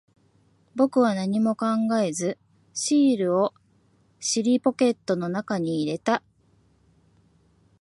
僕は何も考えず、シールを尻ポケットの中に入れた。